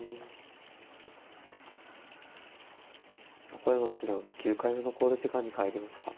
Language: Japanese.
横山七段９回目の考慮時間に入りました。